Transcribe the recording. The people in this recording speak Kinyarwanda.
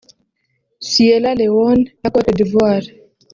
Sierra Leone na Cote d’Ivoire